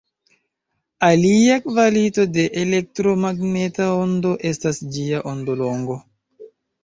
Alia kvalito de elektromagneta ondo estas ĝia ondolongo.